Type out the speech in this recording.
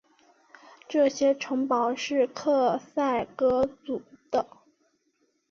这些城堡是克塞格族的。